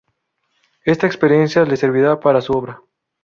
Esta experiencia le servirá para su obra.